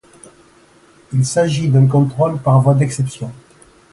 Il s'agit d'un contrôle par voie d'exception.